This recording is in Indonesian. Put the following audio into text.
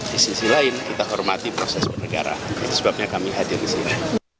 di sisi lain kita hormati proses bernegara sebabnya kami hadir di sini